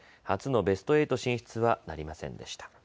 初のベスト８進出はなりませんでした。